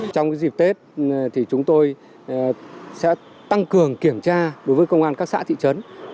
trong dịp tết thì chúng tôi sẽ tăng cường kiểm tra đối với công an các xã thị trấn